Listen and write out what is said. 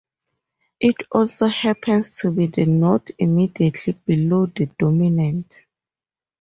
It also happens to be the note immediately "below" the dominant.